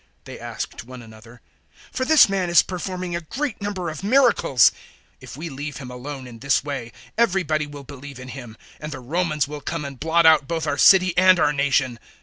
they asked one another; "for this man is performing a great number of miracles. 011:048 If we leave him alone in this way, everybody will believe in him, and the Romans will come and blot out both our city and our nation."